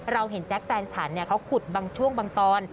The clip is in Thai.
เราเห็นแจ๊คแฟนฉันเขาขุดบางช่วงบางตอน